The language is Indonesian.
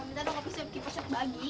kita mau kopi siap kiper siap lagi